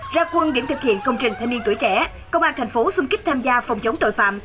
ra quân điểm thực hiện công trình thanh niên tuổi trẻ công an thành phố xung kích tham gia phòng chống tội phạm